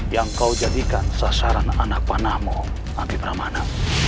yang kau jadikan sasaran anak panahmu ampi pramana